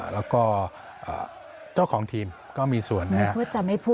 แล้วก็เจ้าของทีมก็มีส่วนนะครับ